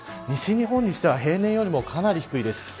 西日本にしては平年よりかなり低いです。